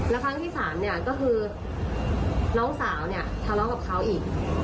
แล้วครั้งที่สามเนี่ยก็คือน้องสาวเนี่ยทะเลาะกับเขาอีก